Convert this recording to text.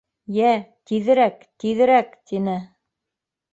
— Йә, тиҙерәк, тиҙерәк! — тине.